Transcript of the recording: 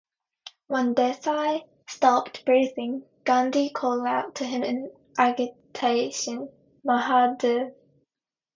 When Desai stopped breathing, Gandhi called out to him in agitation: Mahadev!